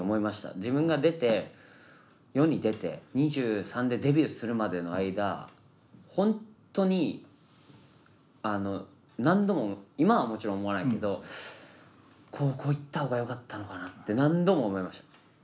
自分が出て世に出て２３でデビューするまでの間本当に何度も今はもちろん思わないけど高校行った方がよかったのかなって何度も思いました。